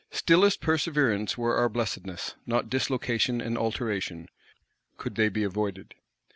Stillest perseverance were our blessedness; not dislocation and alteration,—could they be avoided.